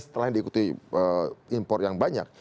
setelah yang diikuti impor yang banyak